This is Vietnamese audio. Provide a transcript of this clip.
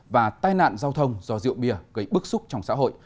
và tai nạn giao thông do rượu bia gây bức xúc trong xã hội